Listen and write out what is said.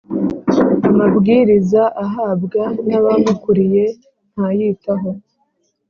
Amabwiriza ahabwa n’abamukuriye ntayitaho